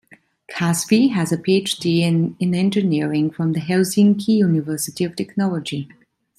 Kasvi has a Ph.D. in Engineering from the Helsinki University of Technology.